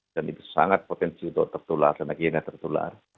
dan itu sangat potensi untuk tertular dan akhirnya tertular